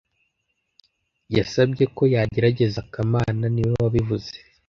Yasabye ko yagerageza kamana niwe wabivuze